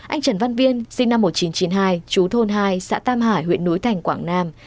anh trần văn viên sinh năm một nghìn chín trăm chín mươi hai chú thôn hai xã tam hải huyện núi thành quảng nam